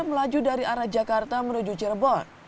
melaju dari arah jakarta menuju cirebon